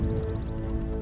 nanti aku akan datang